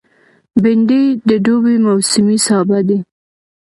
بېنډۍ د دوبي موسمي سابه دی